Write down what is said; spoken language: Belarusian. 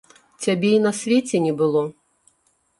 Цябе і на свеце не было.